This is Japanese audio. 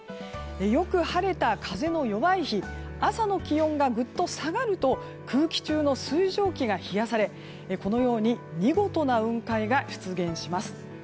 良く晴れた風の弱い日朝の気温がぐっと下がると空気中の水蒸気が冷やされこのように見事な雲海が出現します。